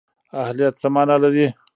اهلیت څه مانا لري؟